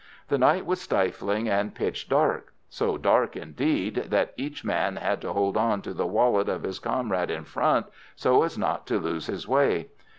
The night was stifling and pitch dark so dark, indeed, that each man had to hold on to the wallet of his comrade in front so as not to lose his way.